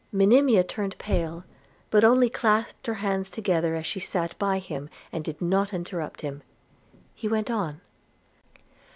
Monimia turned pale, but only clasped her hands together as she sat by him, and did not interrupt him. He went on.